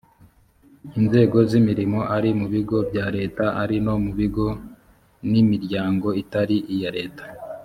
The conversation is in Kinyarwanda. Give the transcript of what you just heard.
inzego z’imirimo ari mu bigo bya leta ari no mu bigo n’imiryango itari iya leta